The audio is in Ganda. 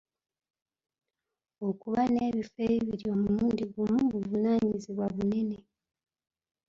Okuba n'ebifo ebibiri omulundi gumu buvunaanyizibwa bunene.